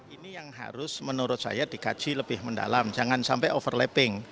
ini yang harus menurut saya dikaji lebih mendalam jangan sampai overlapping